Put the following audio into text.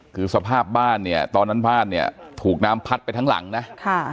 คือสภาพบ้านเนี่ยตอนนั้นบ้านเนี่ยถูกน้ำพัดไปทั้งหลังนะค่ะ